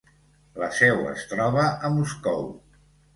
La seu es troba a Moscou.